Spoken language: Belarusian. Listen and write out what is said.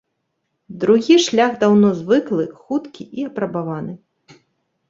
Другі шлях даўно звыклы, хуткі і апрабаваны.